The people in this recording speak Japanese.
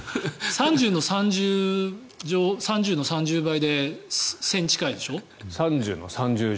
３０の３０倍で１０００近いでしょ。